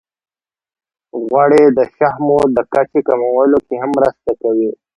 غوړې د شحمو د کچې کمولو کې هم مرسته کوي.